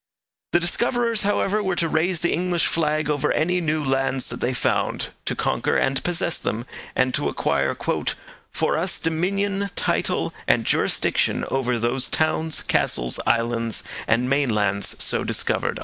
The discoverers, however, were to raise the English flag over any new lands that they found, to conquer and possess them, and to acquire 'for us dominion, title, and jurisdiction over those towns, castles, islands, and mainlands so discovered.'